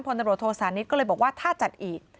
พนโรโทษศาลนี้ก็เลยบอกว่าถ้าจัดอีก